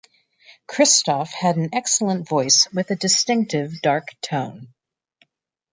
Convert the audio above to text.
Christoff had an excellent voice with a distinctive dark tone.